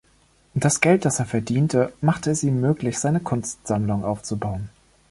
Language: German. Das Geld, das er verdiente, machte es ihm möglich, seine Kunstsammlung aufzubauen.